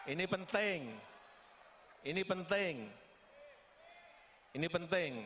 ini penting ini penting ini penting